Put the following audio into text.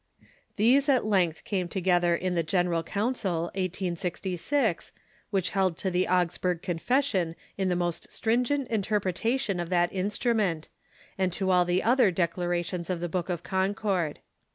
These at length came together in the General Council, 1866, which held to the Augsburg Con fession in the most stringent interpretation of that instru ment, and to all the other declarations of the Book of Concord.